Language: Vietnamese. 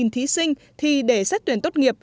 thí sinh thì để xét tuyển tốt nghiệp